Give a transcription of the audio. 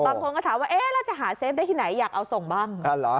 บางคนก็ถามว่าเอ๊ะแล้วจะหาเซฟได้ที่ไหนอยากเอาส่งบ้าง